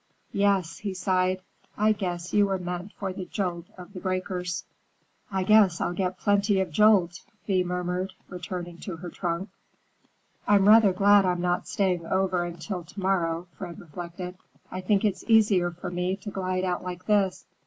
Yes," he sighed, "I guess you were meant for the jolt of the breakers." "I guess I'll get plenty of jolt," Thea murmured, turning to her trunk. "I'm rather glad I'm not staying over until to morrow," Fred reflected. "I think it's easier for me to glide out like this.